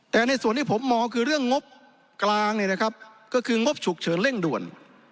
แต่ในส่วนที่ผมมองคือเรื่องงบกลางเนี่ยนะครับก็คืองบฉุกเฉินเร่งด่วน